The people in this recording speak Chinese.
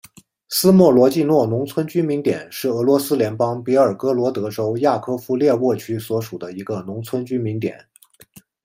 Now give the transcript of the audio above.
斯莫罗季诺农村居民点是俄罗斯联邦别尔哥罗德州雅科夫列沃区所属的一个农村居民点。